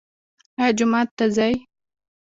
ایا جومات ته ځئ؟